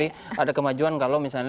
itu kita tunggu kapan